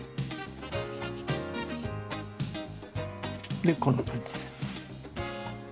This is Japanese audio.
でこんな感じで。